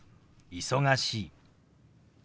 「忙しい」。